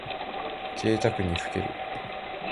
ぜいたくにふける。